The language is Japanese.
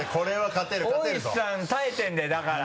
大石さん耐えてるんだよだから。